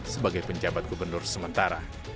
sebagai pejabat gubernur sementara